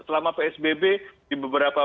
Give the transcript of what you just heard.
selama psbb di beberapa